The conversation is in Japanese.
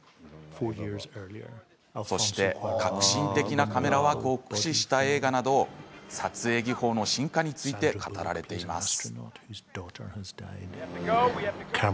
革新的なカメラワークを駆使した映画など撮影技法の進化について語られています。